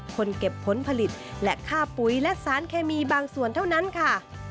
เก็บผลผลิตและค่าปุ๋ยและสารเคมีบางส่วนเท่านั้นค่ะ